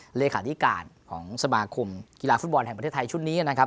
เลขาธิการของสมาคมกีฬาฟุตบอลแห่งประเทศไทยชุดนี้นะครับ